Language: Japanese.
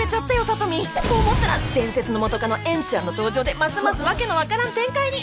サトミン。と思ったら伝説の元カノえんちゃんの登場でますます訳の分からん展開に。